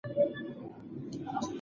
کابل ته زما وروستی سفر ډېر ګټور و.